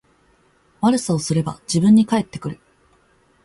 悪さをすれば自分に返ってくる